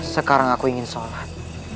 sekarang aku ingin sholat